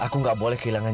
tunggu sekitar delapan falan